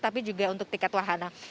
tapi juga untuk tiket wahana